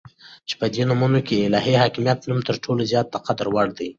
چې په دي نومونو كې دالهي حاكميت نوم تر ټولو زيات دقدر وړ دى